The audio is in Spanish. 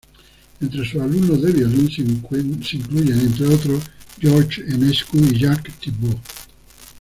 Entre sus alumnos de violín se incluyen, entre otros, George Enescu y Jacques Thibaud.